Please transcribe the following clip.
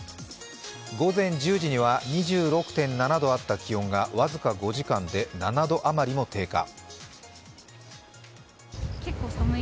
午前１０時には２６．７度あった気温が僅か５時間で７度あまりも低下。